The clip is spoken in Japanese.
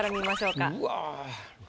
うわ。